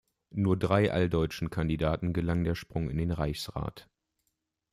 Nur drei alldeutschen Kandidaten gelang der Sprung in den Reichsrat.